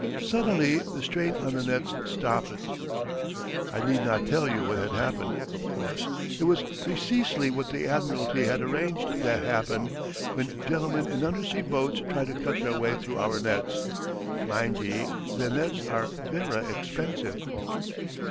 Suddenly the strain on the nets stoppit. "I needna tell you what had happened. Of course, it was preceesely what the Admiralty had arranged tae happen when gentlemen in undersea boats try to cut their way through our nets. Mind ye, thae nets are verra expensive."